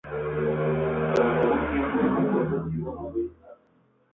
Durante algún tiempo, el compuesto activo no fue aislado.